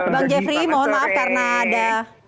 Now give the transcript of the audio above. bang jeffrey mohon maaf karena ada